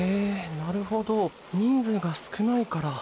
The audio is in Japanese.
なるほど人数が少ないから。